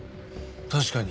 確かに。